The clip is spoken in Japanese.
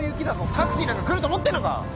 タクシーなんか来ると思ってんのか！